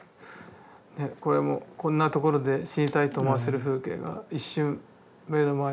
ねこれも「こんなところで死にたいと思わせる風景が、一瞬目の前を過ることがある。」と。